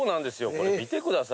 これ見てください。